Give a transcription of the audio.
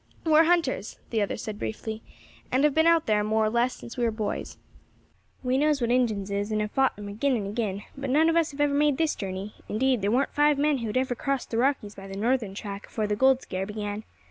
"We are hunters," the other said briefly, "and have been out there, more or less, since we were boys. We knows what Injins is, and have fought them agin and agin; but none of us have ever made this journey, indeed there warn't five men who had ever crossed the Rockies by the northern track afore the gold scare began.